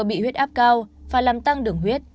bị huyết áp cao và làm tăng đường huyết